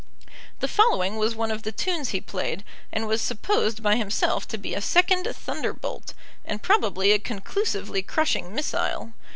The following was one of the tunes he played, and was supposed by himself to be a second thunderbolt, and probably a conclusively crushing missile.